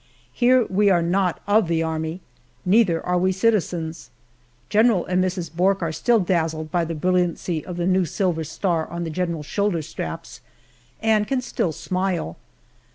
Here we are not of the Army neither are we citizens. General and Mrs. Bourke are still dazzled by the brilliancy of the new silver star on the general's shoulder straps, and can still smile.